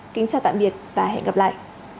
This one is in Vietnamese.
kính chào tạm biệt và hẹn gặp lại